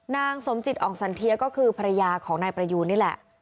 นางสมจิตอ่องสันเทียก็คือภรรยาของนายประยูนนี่แหละ